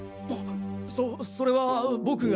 そそれは僕が。